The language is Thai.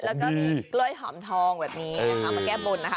แล้วก็เกล้าหอมทองแบบนี้เอามาแก้บ่นนะคะ